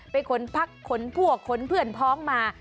ขนพักขนพวกขนเพื่อนพ้องมา